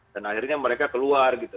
dan akhirnya mereka keluar gitu